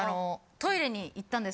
トイレに行ったんです。